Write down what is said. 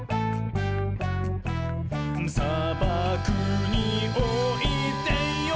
「さばくにおいでよ」